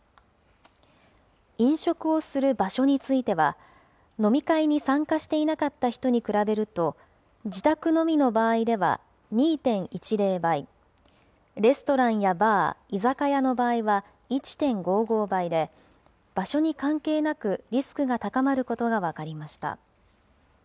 飲食をする場所については、飲み会に参加していなかった人に比べると、自宅飲みの場合では２．１０倍、レストランやバー、居酒屋の場合は１．５５倍で、場所に関係なくリスクが高まることが分かりました。